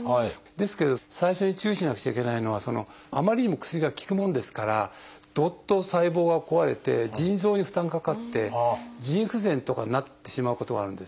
ですけど最初に注意しなくちゃいけないのはあまりにも薬が効くもんですからどっと細胞が壊れて腎臓に負担かかって腎不全とかになってしまうことがあるんです。